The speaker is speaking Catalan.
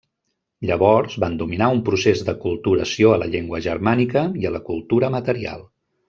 Llavors, van dominar un procés d'aculturació a la llengua germànica i a la cultura material.